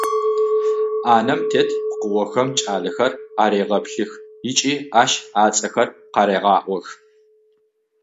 Ӏанэм тет пкъыгъохэм кӏалэхэр арегъэплъых ыкӏи ащ ацӏэхэр къарегъаӏох.